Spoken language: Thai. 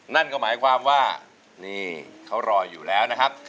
นั่นก็หมายความว่านี่เขารออยู่แล้วนะครับ